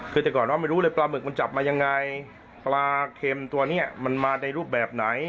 คือแต่ก่อนว่าไม่รู้เลยปลาหมึกมันจับมายังไงปลาเข็มตัวเนี้ยมันมาในรูปแบบไหน